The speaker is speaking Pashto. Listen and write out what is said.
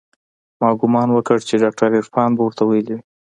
ما ګومان وکړ چې ډاکتر عرفان به ورته ويلي وي.